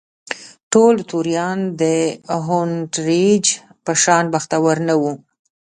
ټول توریان د هونټریج په شان بختور نه وو.